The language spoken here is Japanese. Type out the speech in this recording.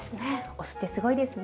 お酢ってすごいですね。